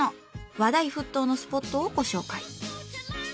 話題沸騰のスポットをご紹介。